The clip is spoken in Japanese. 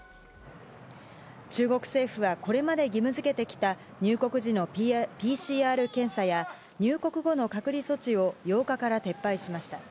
中国政府は、これまで義務づけてきた入国時のＰＣＲ検査や、入国後の隔離措置を８日から撤廃しました。